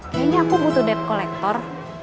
kayaknya aku butuh debt collector